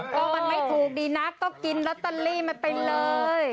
ก็มันไม่ถูกดีนักก็กินลอตเตอรี่มันไปเลย